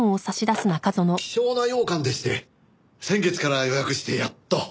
希少な羊羹でして先月から予約してやっと。